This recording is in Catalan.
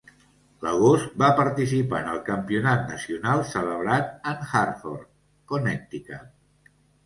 L'agost va participar en el campionat nacional celebrat en Hartford, Connecticut.